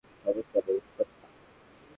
সমস্যা নেই, সত্যা।